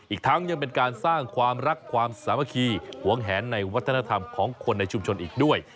อีกทั้งยังเป็นการสร้างความรักความสามัคคีหวงแหนในวัฒนธรรมของคนในชุมชนอีกด้วย